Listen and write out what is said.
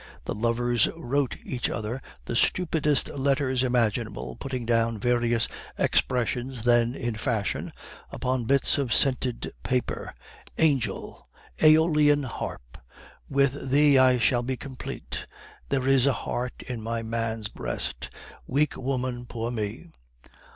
The lovers wrote each other the stupidest letters imaginable, putting down various expressions then in fashion upon bits of scented paper: 'Angel! Aeolian harp! with thee I shall be complete! There is a heart in my man's breast! Weak woman, poor me!